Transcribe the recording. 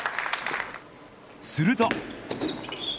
すると。